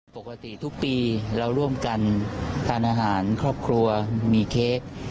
ปกติทุกปีเราร่วมกันทานอาหารครอบครัวมีเค้ก